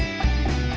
ceng eh tunggu